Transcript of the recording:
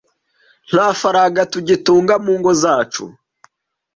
nta faranga tugitunga mu ngo zacu